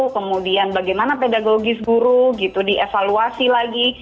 kemudian bagaimana pedagogis guru gitu dievaluasi lagi